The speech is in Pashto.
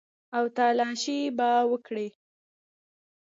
او تلاشي به وکړي.